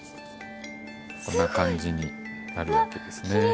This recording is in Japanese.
こんな感じになるわけですね。